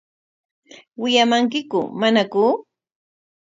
¿Wiyamankiku manaku?